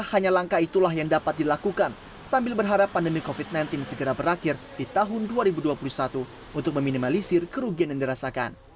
hanya langkah itulah yang dapat dilakukan sambil berharap pandemi covid sembilan belas segera berakhir di tahun dua ribu dua puluh satu untuk meminimalisir kerugian yang dirasakan